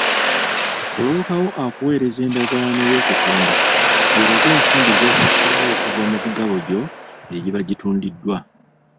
Bbulooka wo akuweereza endagaano y'okutunda, eraga ensimbi z'ofissaawo okuva mu migabo gyo egiba gitundiddwa.